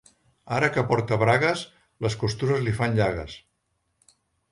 "Ara que porta bragues, les costures li fan llagues".